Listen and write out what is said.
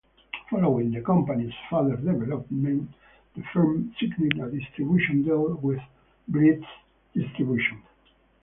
Following the company's further development, The Firm signed a distribution deal with Blitz Distribution.